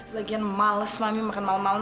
lagian males mami makan malam male